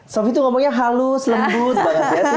sofi tuh ngomongnya halus lembut banget ya